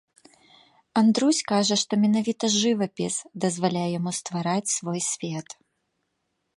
Андрусь кажа, што менавіта жывапіс дазваляе яму ствараць свой свет.